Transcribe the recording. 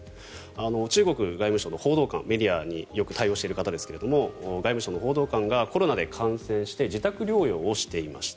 中国外務省の報道官メディアによく対応している方ですが外務省の報道官がコロナに感染して自宅療養をしていました。